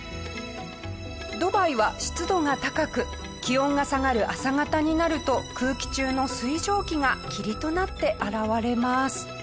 ドバイは湿度が高く気温が下がる朝方になると空気中の水蒸気が霧となって現れます。